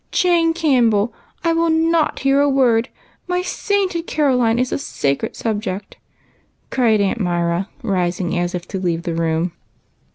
" Jane Campbell, I will not hear a word ! My sainted AUNTS. 41 Caroline is a sacred subject," cried Aunt Myra, rising as if to leave the room.